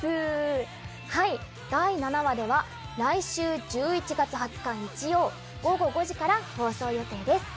はい第７話は来週１１月２０日日曜午後５時から放送予定です。